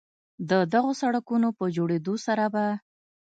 د دغو سړکونو په جوړېدو سره به